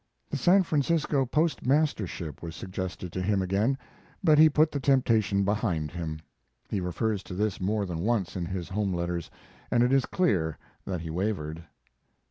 The San Francisco post mastership was suggested to him again, but he put the temptation behind him. He refers to this more than once in his home letters, and it is clear that he wavered.